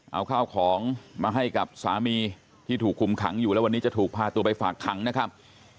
เอาข้าวของมาให้กับสามีที่ถูกคุมขังอยู่แล้ววันนี้จะถูกพาตัวไปฝากขังนะครับ